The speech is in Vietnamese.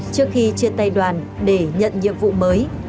trước khi chia tay đoàn để nhận nhiệm vụ mới